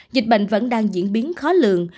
dịch bệnh vẫn đang diễn biến khó lường